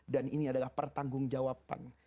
dan ini adalah pertanggung jawaban